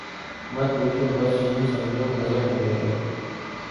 ”مت پوچھو بس یوں سمجھو، غضب ہو گیا ہے۔